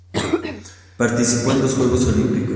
Participó en dos Juegos Olimpicos.